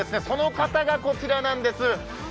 その方がこちらなんです。